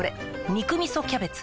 「肉みそキャベツ」